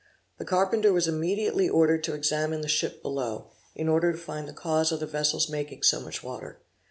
The carpenter was immediately ordered to examine the ship below, in order to find the cause of the vessel's making so much water.